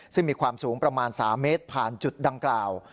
ซึ่งมีความสูงประมาณ๓เมตรผ่านจุดดังกล่าว